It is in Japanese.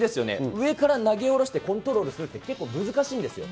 上から投げ下ろしてコントロールするって結構難しいんですよ。